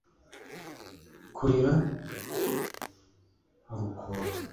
kurira urukuta.